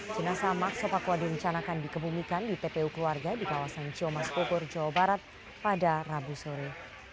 jenasa maxo pakua direncanakan dikebumikan di tpu keluarga di kawasan ciomas bogor jawa barat pada rabu sore